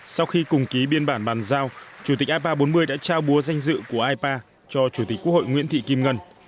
sau khi cùng ký biên bản bàn giao chủ tịch ipa bốn mươi đã trao búa danh dự của ipa cho chủ tịch quốc hội nguyễn thị kim ngân